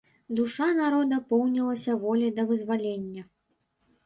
Душа народа поўнілася воляй да вызвалення.